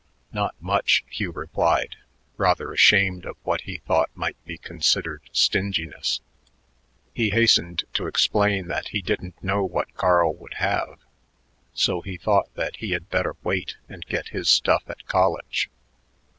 "Not much," Hugh replied, rather ashamed of what he thought might be considered stinginess. He hastened to explain that he didn't know what Carl would have; so he thought that he had better wait and get his stuff at college.